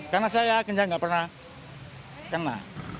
karena saya kencang nggak pernah kena